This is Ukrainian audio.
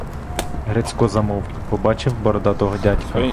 Грицько замовк, побачив бородатого дядька.